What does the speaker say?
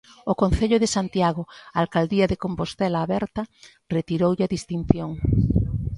O concello de Santiago, alcaldía de Compostela Aberta, retiroulle a distinción.